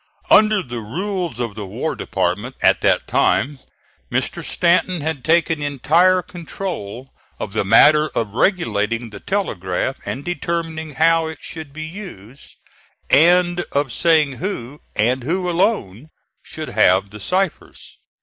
Under the rules of the War Department at that time, Mr. Stanton had taken entire control of the matter of regulating the telegraph and determining how it should be used, and of saying who, and who alone, should have the ciphers.